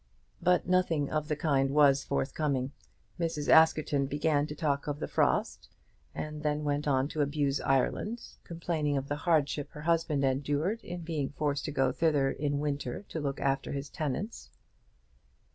But nothing of the kind was forthcoming. Mrs. Askerton began to talk of the frost, and then went on to abuse Ireland, complaining of the hardship her husband endured in being forced to go thither in winter to look after his tenants.